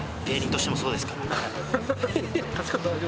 芸人としてもそうですから・